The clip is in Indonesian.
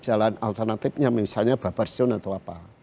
jalan alternatifnya misalnya babar sun atau apa